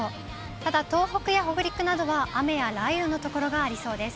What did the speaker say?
ただ東北や北陸などは、雨や雷雨の所がありそうです。